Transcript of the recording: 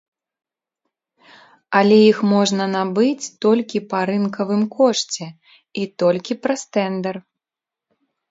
Але іх можна набыць толькі па рынкавым кошце і толькі праз тэндэр.